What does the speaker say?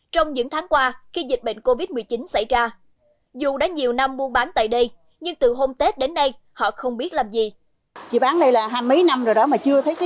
trong những tháng qua khi dịch bệnh covid một mươi chín xảy ra dù đã nhiều năm mua bán tại đây nhưng từ hôm tết đến nay họ không biết làm gì